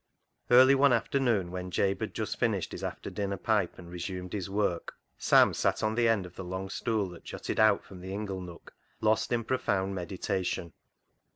Early one afternoon, when Jabe had just finished his after dinner pipe and resumed his work, Sam sat on the end of the long stool that jutted out from the ingle nook, lost in profound meditation.